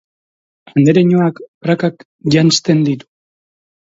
Andereñoak prakak janzten ditu.